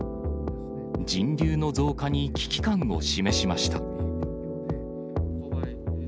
人流の増加に危機感を示しました。